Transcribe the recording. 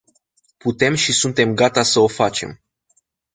Putem și suntem gata să o facem.